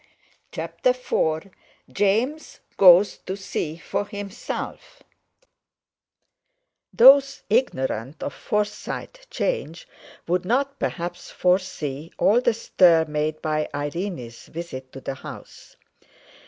CHAPTER IV JAMES GOES TO SEE FOR HIMSELF Those ignorant of Forsyte 'Change would not, perhaps, foresee all the stir made by Irene's visit to the house.